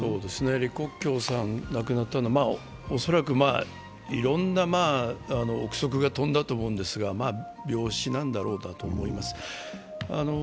李克強さん、亡くなったのはいろんな臆測が飛んだとは思いますが、病死なんだろうと思います。